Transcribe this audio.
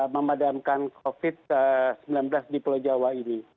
memadamkan covid sembilan belas di pulau jawa ini